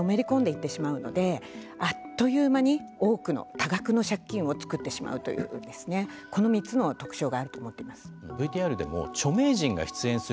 そして、そうやってのめり込んでいってしまうのであっという間に多くの多額の借金を作ってしまうというこの３つの特徴があると思っています。